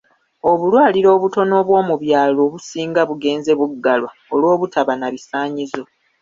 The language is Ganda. Obulwaliro obutono obw'omu byalo obusinga bugenze buggalwa olw'obutaba na bisaanyizo